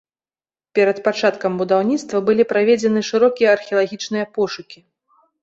Перад пачаткам будаўніцтва былі праведзены шырокія археалагічныя пошукі.